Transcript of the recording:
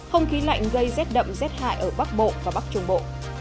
không khí lạnh gây rét đậm rét hại ở bắc bộ và bắc trung bộ